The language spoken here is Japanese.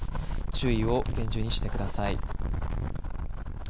注意を厳重にしてください。